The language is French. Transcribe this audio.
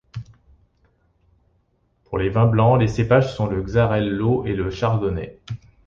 Pour les vins blancs les cépages sont le xarel-lo et le chardonnay.